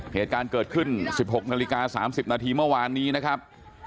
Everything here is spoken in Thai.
เหตุการณ์เกิดขึ้น๑๖นาฬิกา๓๐นาทีเมื่อวานนี้นะครับ